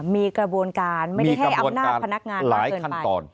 มีกระบวนการไม่ได้ให้อำนาจพนักงานหลายเกิน